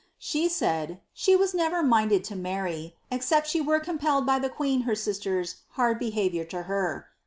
»he said, ^she was never minded to marry, except she were com J by the queen her sister's hard behaviour to her.'